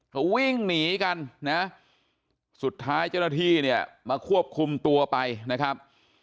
เขาวิ่งหนีกันนะสุดท้ายเจ้าหน้าที่เนี่ยมาควบคุมตัวไปนะครับ